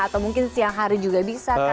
atau mungkin siang hari juga bisa